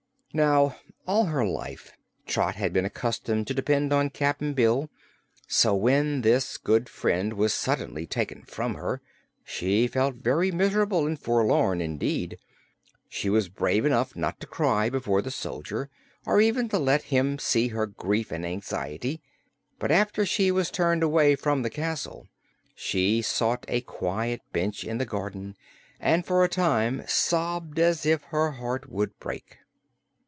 Now, all her life Trot had been accustomed to depend on Cap'n Bill, so when this good friend was suddenly taken from her she felt very miserable and forlorn indeed. She was brave enough not to cry before the soldier, or even to let him see her grief and anxiety, but after she was turned away from the castle she sought a quiet bench in the garden and for a time sobbed as if her heart would break.